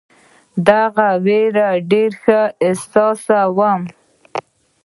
دغه وېره ډېر ښه احساسوم.